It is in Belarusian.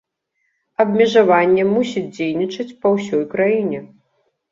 Абмежаванне мусіць дзейнічаць па ўсёй краіне.